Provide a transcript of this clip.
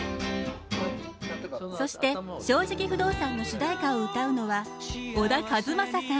そして「正直不動産」の主題歌を歌うのは小田和正さん。